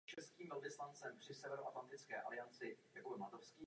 Nedlouho po olympiádě v Lake Placid se vdala a ukončila sportovní kariéru.